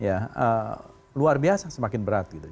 ya luar biasa semakin berat gitu